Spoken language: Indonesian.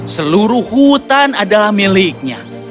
seluruh hutan adalah miliknya